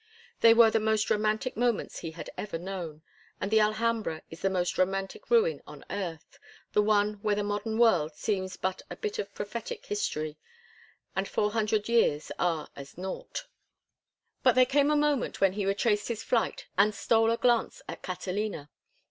They were the most romantic moments he had ever known; and the Alhambra is the most romantic ruin on earth, the one where the modern world seems but a bit of prophetic history, and 400 years are as naught. But there came a moment when he retraced his flight and stole a glance at Catalina.